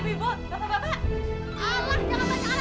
bagaimana kadang kadang kemarin ada yang begitu kemarin